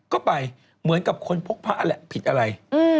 ก็ไปเหมือนกับคนพกพระนั่นแหละผิดอะไร